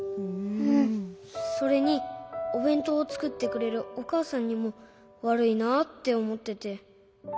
それにおべんとうをつくってくれるおかあさんにもわるいなっておもってて。